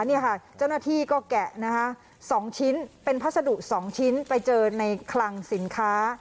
นี่ค่ะเจ้าหน้าที่ก็แกะนะคะ๒ชิ้นเป็นพัสดุ๒ชิ้นไปเจอในคลังสินค้า